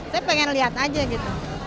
saya pengen lihat aja gitu